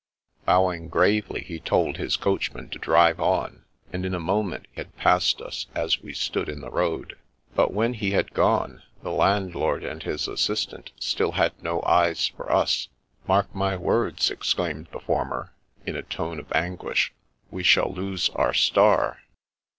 Bowing gravely, he told his coachman to drive on, and in a moment had passed us as we stood in the road. But when he had gone, the landlord and his assist ant still had no eyes for us. " Mark my words," ex claimed the former, in a tone of anguish, " we shall lose our star."